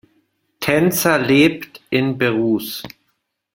Tänzer lebt in Berus.